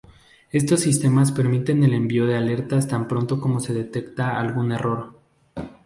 Estos sistemas permiten el envío de alertas tan pronto como se detecta algún error.